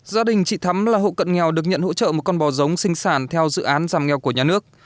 gia đình chị thắm là hộ cận nghèo được nhận hỗ trợ một con bò giống sinh sản theo dự án giảm nghèo của nhà nước